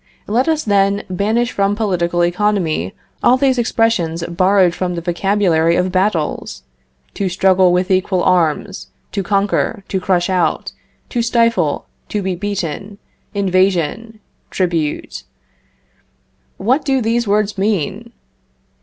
Let us, then, banish from political economy all these expressions borrowed from the vocabulary of battles: to struggle with equal arms, to conquer, to crush out, to stifle, to be beaten, invasion, tribute. What do these words mean?